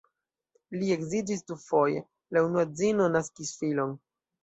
Li edziĝis dufoje, la unua edzino naskis filon.